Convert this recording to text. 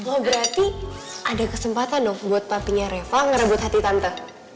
oh berarti ada kesempatan dong buat papinya reva merebut hati tante